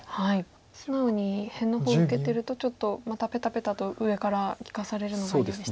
素直に辺の方受けてるとちょっとまたペタペタと上から利かされるのが嫌でしたか。